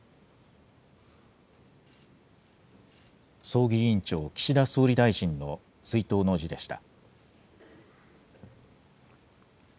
葬儀委員長、岸田総理大臣の追悼の辞でした。